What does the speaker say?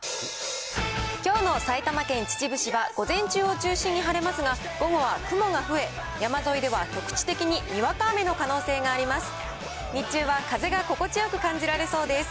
きょうの埼玉県秩父市は、午前中を中心に晴れますが、午後は雲が増え、山沿いでは局地的ににわか雨の可能性があります。